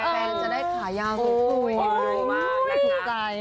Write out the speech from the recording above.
จะได้ขายากทุก